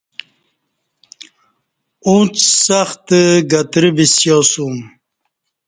اُݩڅ سخت گترہ بِسیاسوم